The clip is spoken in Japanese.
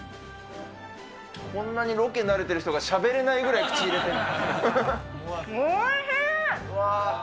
こんなにロケに慣れてる人がしゃべれないくらい口に入れてる。